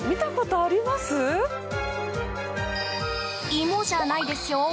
イモじゃないですよ。